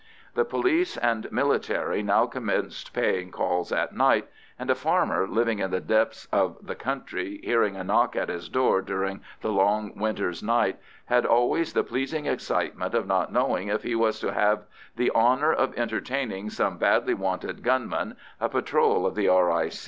The police and military now commenced paying calls at night; and a farmer, living in the depth of the country, hearing a knock at his door during the long winter's nights, had always the pleasing excitement of not knowing if he was to have the honour of entertaining some badly wanted gunmen, a patrol of the R.I.